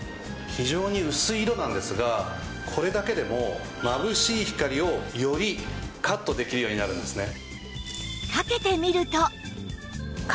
非常に薄い色なんですがこれだけでもまぶしい光をよりカットできるようになるんですね。